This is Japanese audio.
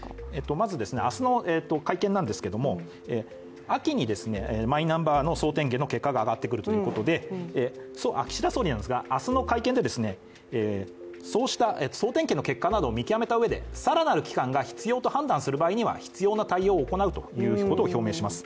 まず、明日の会見なんですけども秋にマイナンバーの総点検の結果が上がってくるということで岸田総理なんですが、明日の会見でそうした総点検の結果を見極めたうえで更なる期間が必要と判断した場合には必要な対応を行うということを表明します。